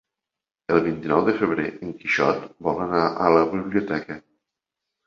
El vint-i-nou de febrer en Quixot vol anar a la biblioteca.